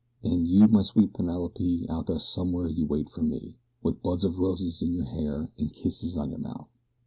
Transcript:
And you, my sweet Penelope, out there somewhere you wait for me, With buds of roses in your hair and kisses on your mouth.